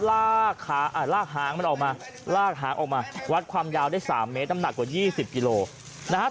ลากขาลากหางมันออกมาลากหางออกมาวัดความยาวได้๓เมตรน้ำหนักกว่า๒๐กิโลนะฮะ